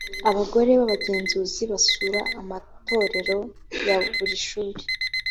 abagore b’abagenzuzi basura amatorero ya buri shuri